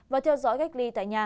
và theo dõi cách ly